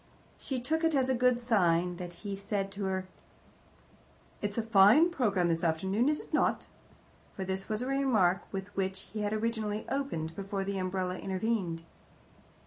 She took it as a good sign that he said to her, "It's a fine programme this afternoon, is it not?" for this was the remark with which he had originally opened, before the umbrella intervened.